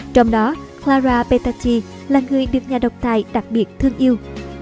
trong đó clara petacci là người được nhà độc tài đặc biệt thương yêu